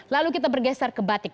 lalu kita bergeser ke batik